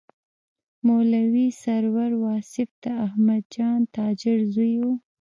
مولوي سرور واصف د احمدجان تاجر زوی و.